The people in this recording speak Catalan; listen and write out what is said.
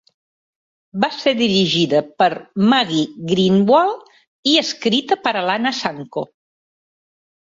Va ser dirigida per Maggie Greenwald i escrita per Alana Sanko.